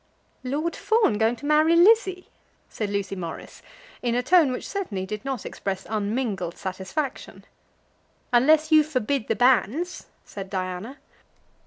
"Lord Fawn going to marry Lizzie!" said Lucy Morris, in a tone which certainly did not express unmingled satisfaction. "Unless you forbid the banns," said Diana.